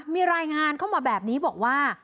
มีรายงานเข้ามาแบบนี้บอกว่า